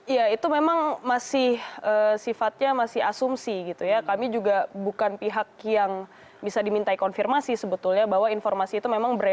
ya itu memang masih sifatnya masih asumsi gitu ya kami juga bukan pihak yang bisa dimintai konfirmasi sebetulnya bahwa informasi itu memang beredar